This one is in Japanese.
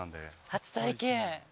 初体験。